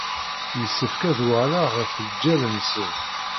Yessefk ad uɣaleɣ ɣef lǧal-nsen.